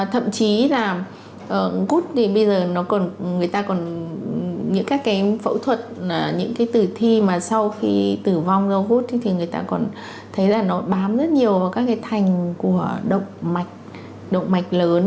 thậm chí là gút thì bây giờ người ta còn những các cái phẫu thuật những cái tử thi mà sau khi tử vong dâu gút thì người ta còn thấy là nó bám rất nhiều vào các cái thành của động mạch lớn